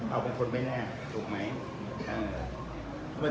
เอาบางคนไม่แน่ถูกไหม